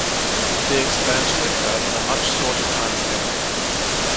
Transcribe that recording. The expansion occurred on a much shorter timescale.